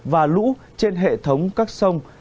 và lũ trên hệ thống các sông